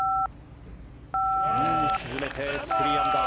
沈めて３アンダー。